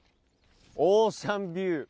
オーシャンビュー。